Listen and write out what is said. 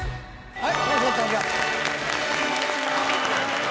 はい。